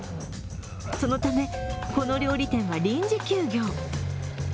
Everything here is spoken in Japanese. そのため、この料理店は臨時休業。